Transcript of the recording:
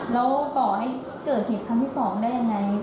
แล้วก่อให้เกิดเหตุคำที่สองได้ยังไง